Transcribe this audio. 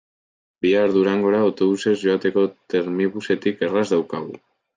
Bihar Durangora autobusez joateko Termibusetik erraz daukagu.